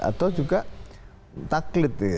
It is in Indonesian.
atau juga taklit